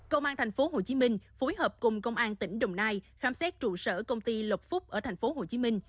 công an tp hcm phối hợp cùng công an tỉnh đồng nai khám xét trụ sở công ty lộc phúc ở tp hcm